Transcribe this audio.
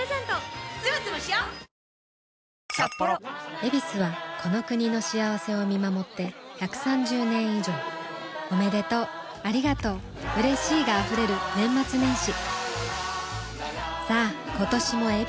「ヱビス」はこの国の幸せを見守って１３０年以上おめでとうありがとううれしいが溢れる年末年始さあ今年も「ヱビス」で